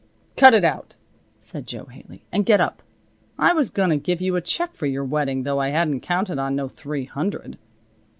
"Cut it out," said Jo Haley, "and get up. I was going to give you a check for your wedding, though I hadn't counted on no three hundred.